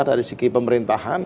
dari segi pemerintahan